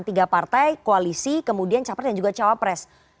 tiga partai koalisi kemudian capres dan juga cawapres